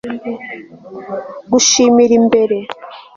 Gushimira imbere